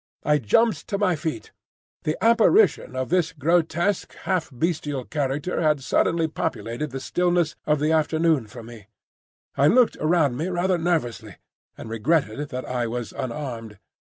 I jumped to my feet. The apparition of this grotesque, half bestial creature had suddenly populated the stillness of the afternoon for me. I looked around me rather nervously, and regretted that I was unarmed.